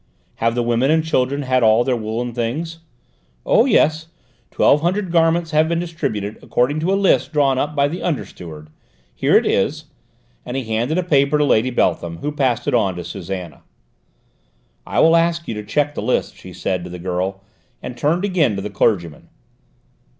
"Have the women and children had all their woollen things?" "Oh, yes: twelve hundred garments have been distributed according to a list drawn up by the under steward; here it is," and he handed a paper to Lady Beltham, who passed it on to Susannah. "I will ask you to check the list," she said to the girl, and turned again to the clergyman.